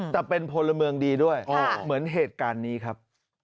แต่เป็นพลเมืองดีด้วยเหมือนเหตุการณ์นี้ครับ